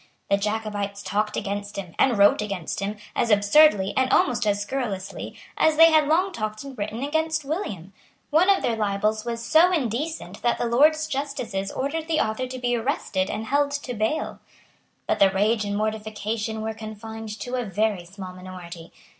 The Jacobites talked against him, and wrote against him, as absurdly, and almost as scurrilously, as they had long talked and written against William. One of their libels was so indecent that the Lords justices ordered the author to be arrested and held to bail. But the rage and mortification were confined to a very small minority.